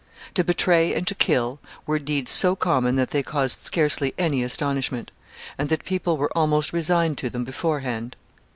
To betray and to kill were deeds so common that they caused scarcely any astonishment, and that people were almost resigned to them beforehand.